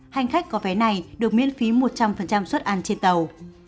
hành khách có vé này được miễn phí một trăm linh suất ăn trên tàu